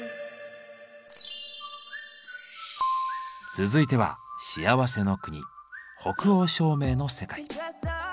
続いては幸せの国北欧照明の世界。